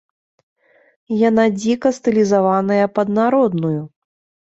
Яна дзіка стылізаваная пад народную.